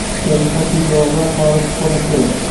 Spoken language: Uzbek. Ularga qatʼiy jazo chorasi qoʻllash kerak.